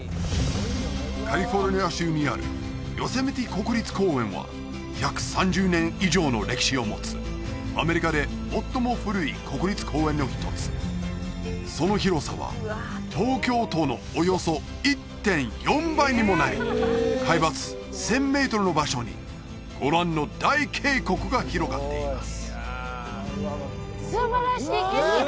カリフォルニア州にあるヨセミテ国立公園は１３０年以上の歴史を持つアメリカで最も古い国立公園の一つその広さは東京都のおよそ１．４倍にもなり海抜１０００メートルの場所にご覧の大渓谷が広がっています